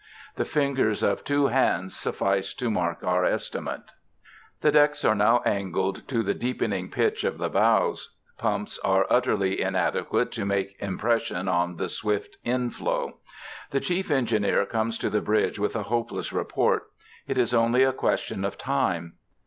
The fingers of two hands suffice to mark our estimate. The decks are now angled to the deepening pitch of the bows. Pumps are utterly inadequate to make impression on the swift inflow. The chief engineer comes to the bridge with a hopeless report. It is only a question of time.